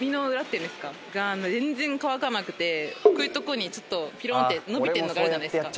こういうとこにちょっとピローンって伸びてるのがあるじゃないですか。